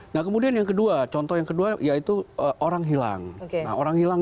nah kemudian yang kedua contoh yang kedua yaitu orang hilang